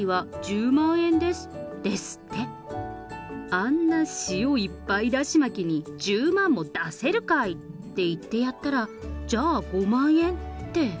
あんな塩いっぱいだし巻きに１０万も出せるかいって言ってやったら、じゃあ５万円って。